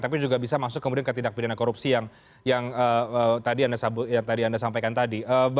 tapi juga bisa masuk kemudian ke tindak pidana korupsi yang tadi anda sampaikan tadi